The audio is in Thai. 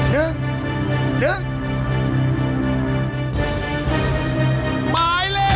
หมายเลข